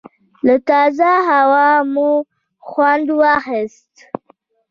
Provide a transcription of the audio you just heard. له تازه هوا مو خوند واخیست.